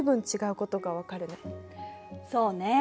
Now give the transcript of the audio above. そうね。